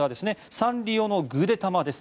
サンリオのぐでたまです。